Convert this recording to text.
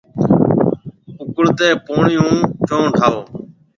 اُڪڙتي پوڻِي هون چونه ٺاهو۔